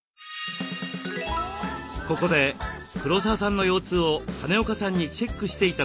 ここで黒沢さんの腰痛を金岡さんにチェックして頂きました。